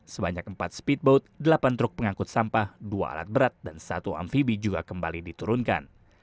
sebanyak empat speedboat delapan truk pengangkut sampah dua alat berat dan satu amphibie juga kembali diturunkan